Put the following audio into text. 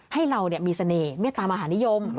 ให้เรามีเสน่ห์ไม่ตามอาหาริยม